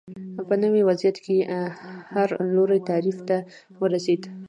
په نوي وضعیت کې هر لوری تعریف ته ورسېد